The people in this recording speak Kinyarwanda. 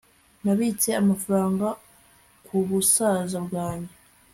nabitse amafaranga kubusaza bwanjye